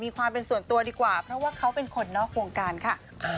ความเป็นส่วนตัวดีกว่าเพราะว่าเขาเป็นคนนอกวงการค่ะ